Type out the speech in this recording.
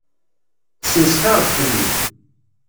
Tesmesxireḍ fell-i.